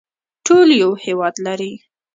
ټول یو هیواد لري